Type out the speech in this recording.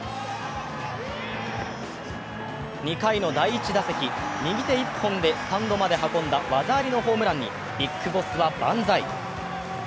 ２回の第１打席、右手１本でスタンドまで運んだ技ありのホームランにＢＩＧＢＯＳＳは万歳。